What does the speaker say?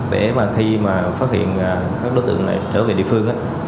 để mà khi mà phát hiện các đối tượng này trở về địa phương